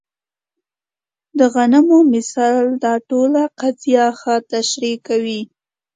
د غنمو مثال دا ټوله قضیه ښه تشریح کوي.